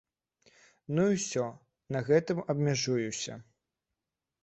Ну і ўсё, на гэтым абмяжуюся.